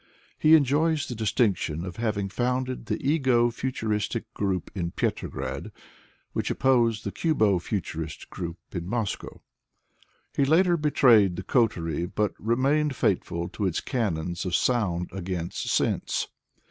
He enjoys the distinction of having founded the ego futurist group in Petrograd, which opposed the cubo futurist group in Moscow. He later betrayed the coterie, but remained faithful to its canons of sound against sense.